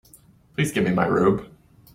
Please give me my robe.